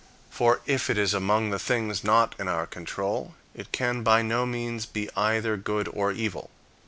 For if it is among the things not in our own control, it can by no means be either good or evil.